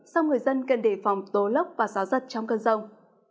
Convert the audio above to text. sau người dân cần đề phòng tố lốc và gió giật trong cơn rông